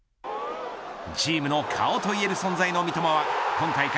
チームの顔といえる存在の三笘は今大会